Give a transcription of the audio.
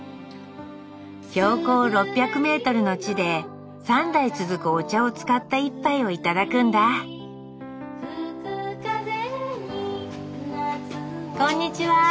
標高６００ｍの地で３代続くお茶を使った一杯を頂くんだこんにちは！